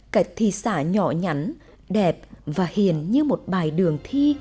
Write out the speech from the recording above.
cách thị xã nhỏ nhắn đẹp và hiền như một bài đường thi